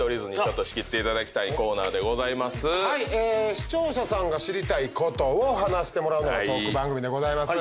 視聴者さんが知りたいことを話してもらうのがトーク番組でございます。